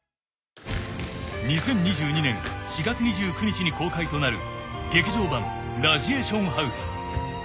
［２０２２年４月２９日に公開となる劇場版『ラジエーションハウス』］